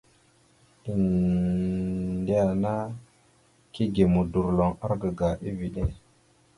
Endena kige modorloŋ argaga eveɗe.